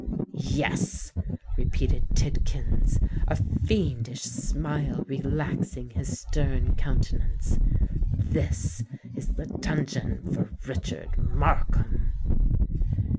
Yes," repeated Tidkins, a fiendish smile relaxing his stern countenance,—"this is the dungeon for Richard Markham!"